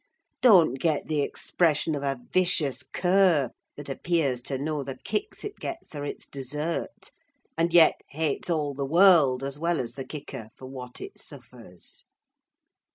Don't get the expression of a vicious cur that appears to know the kicks it gets are its desert, and yet hates all the world, as well as the kicker, for what it suffers."